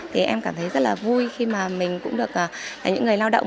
thì em cảm thấy rất là vui khi mà mình cũng được những người lao động